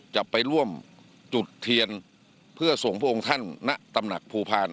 จะไปร่วมจุดเทียนเพื่อส่งพระองค์ท่านณตำหนักภูพาล